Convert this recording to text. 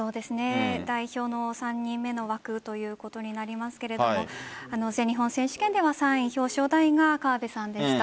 代表の３人目の枠ということになりますが全日本選手権では３位表彰台が河辺さんでした。